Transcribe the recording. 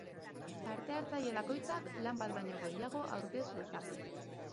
Parte-hartzaile bakoitzak lan bat baino gehiago aurkez dezake.